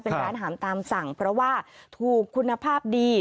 เป็นร้านหามตามสั่งเพราะว่าถูกคุณภาพดี